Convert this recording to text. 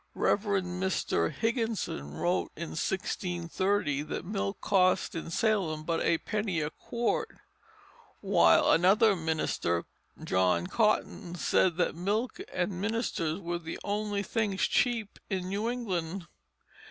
Rev. Mr. Higginson wrote in 1630 that milk cost in Salem but a penny a quart; while another minister, John Cotton, said that milk and ministers were the only things cheap in New England.